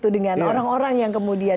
dengan orang orang yang kemudian